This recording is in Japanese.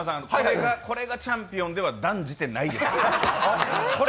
これがチャンピオンでは断じてない。